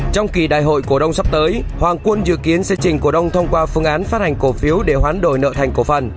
trong kỳ đại hội cổ đông sắp tới hoàng quân dự kiến sẽ trình cổ đông thông qua phương án phát hành cổ phiếu để hoán đổi nợ thành cổ phần